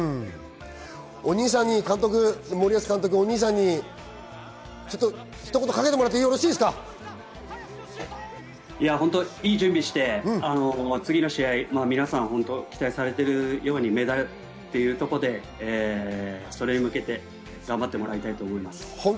お兄さん、監督にひと言、いい準備して次の試合、皆さん期待されているようにメダルというところでそれに向けて頑張ってもらいたいと思います。